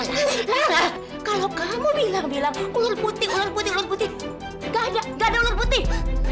salah kalau kamu bilang bilang ular putih ular putih ular putih gak ada ular putih